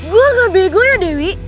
gue gak bego ya dewi